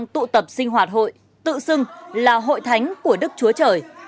tụ tập sinh hoạt hội tự xưng là hội thánh của đức chúa trời